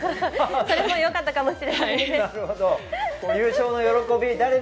それもよかったかもしれないね。